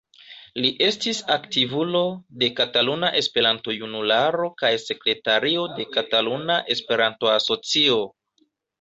Li estis aktivulo de Kataluna Esperanto-Junularo kaj sekretario de Kataluna Esperanto-Asocio.